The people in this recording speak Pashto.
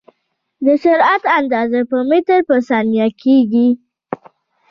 د سرعت اندازه په متر پر ثانیه کېږي.